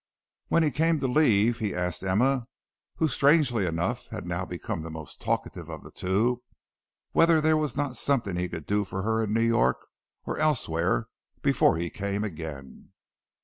When he came to leave he asked Emma, who strangely enough had now become the most talkative of the two, whether there was not something he could do for her in New York or elsewhere before he came again.